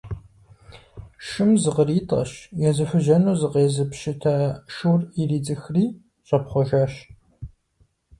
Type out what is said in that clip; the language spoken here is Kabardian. Шым зыкъритӏэщ, езыхужьэну зыкъезыпщыта шур иридзыхри щӏэпхъуэжащ.